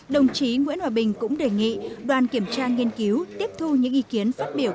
đồng chí nguyễn hòa bình cũng đề nghị đoàn kiểm tra nghiên cứu tiếp thu những ý kiến phát biểu